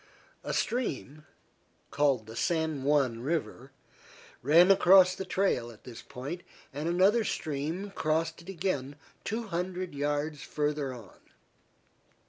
A stream, called the San Juan River, ran across the trail at this point, and another stream crossed it again two hundred yards farther on.